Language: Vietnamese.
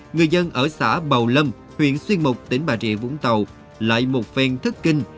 người dân ở xã bàu lâm huyện xuyên mục tỉnh bà rịa vũng tàu lại một phèn thất kinh